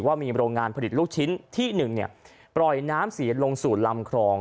ว่ามีโรงงานผลิตลูกชิ้นที่๑ปล่อยน้ำเสียลงสู่ลำคลอง